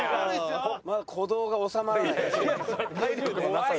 まだ鼓動がおさまらない。